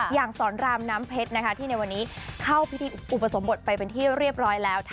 อย่างสอนรามน้ำเพชรที่ในวันนี้เข้าพิธีอุปสมบทไปเป็นที่เรียบร้อยแล้ว